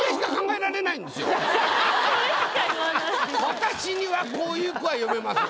私にはこういう句は詠めません。